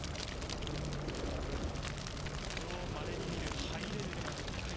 史上まれに見るハイレベルな戦い！